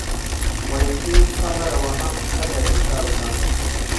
وايې زه یې چا لره وهم قدر يې چا زده.